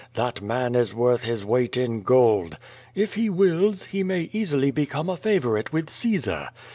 That man is worth his weight in gold. If he wills, he may easily become a favorite with Cae sar.